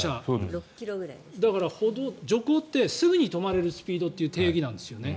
だから徐行ってすぐに止まれるスピードという定義なんですよね。